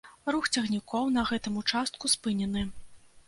Рух цягнікоў на гэтым участку спынены.